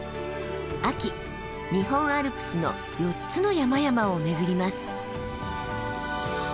秋日本アルプスの４つの山々を巡ります。